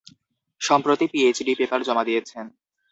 সম্প্রতি PhD paper জমা দিয়েছেন।